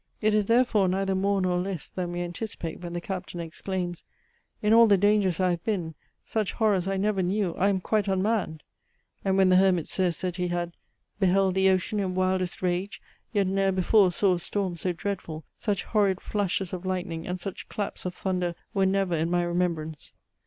It is, therefore, neither more nor less than we anticipate when the Captain exclaims: "In all the dangers I have been, such horrors I never knew. I am quite unmanned:" and when the Hermit says, that he had "beheld the ocean in wildest rage, yet ne'er before saw a storm so dreadful, such horrid flashes of lightning, and such claps of thunder, were never in my remembrance."